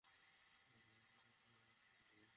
Mister Hopkins, একটু থামবেন?